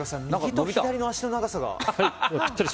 右と左の足の長さが。